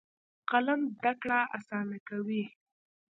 قلم زده کړه اسانه کوي.